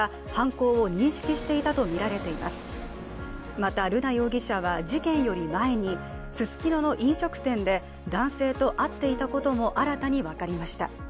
また、瑠奈容疑者は事件より前にススキノの飲食店で男性と会っていたことも新たに分かりました。